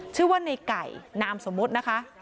ชื่อว่าในไก่นามสมมุตินะคะ